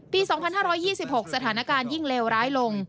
ปี๒๕๒๖สถานการณ์ยิ่งเลวร้ายลง